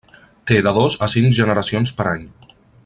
Té de dos a cinc generacions per any.